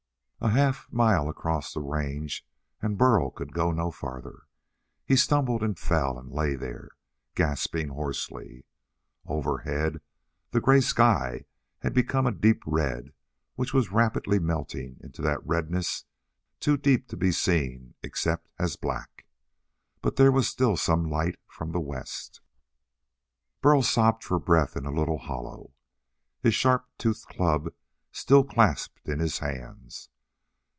A half mile across the range and Burl could go no farther. He stumbled and fell and lay there, gasping hoarsely. Overhead the gray sky had become a deep red which was rapidly melting into that redness too deep to be seen except as black. But there was still some light from the west. Burl sobbed for breath in a little hollow, his sharp toothed club still clasped in his hands.